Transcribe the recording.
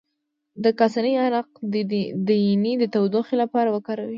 د کاسني عرق د ینې د تودوخې لپاره وکاروئ